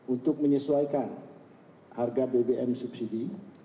untuk menyesuaikan harga bbm subsidi